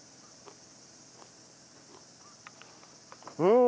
うん。